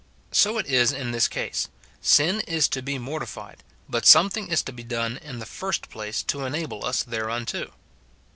So it is in this case : sin is to be mortified, but something is to be done in the first place to enable us thereunto.